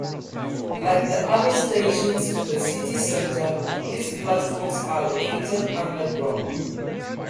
Like the other stations in the city centre, its platforms are located underground.